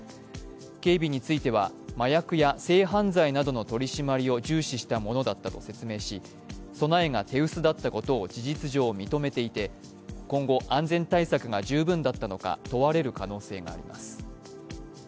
警備については麻薬や性犯罪などの取り締まりを重視したものだったと説明し備えが手薄だったことを事実上認めていて、今後、安全対策が十分だったのか問われる可能性があります。